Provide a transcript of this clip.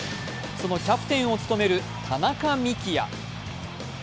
そのキャプテンを務める田中幹也。